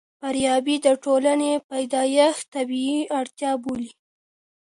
فارابي د ټولني پيدايښت طبيعي اړتيا بولي.